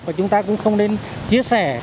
và chúng ta cũng không nên chia sẻ